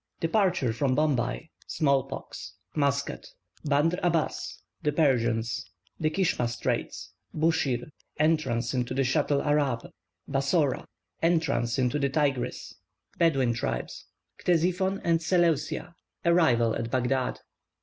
DEPARTURE FROM BOMBAY SMALL POX MUSCAT BANDR ABAS THE PERSIANS THE KISHMA STRAITS BUSCHIR ENTRANCE INTO THE SCHATEL ARAB BASSORA ENTRANCE INTO THE TIGRIS BEDOUIN TRIBES CTESIPHON AND SELEUCIA ARRIVAL AT BAGHDAD.